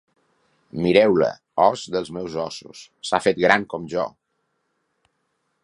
Mireu-la: os dels meus ossos, s'ha fet gran com jo!